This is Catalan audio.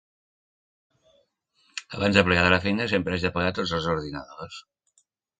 Abans de plegar de la feina sempre haig d'apagar tots els ordinadors.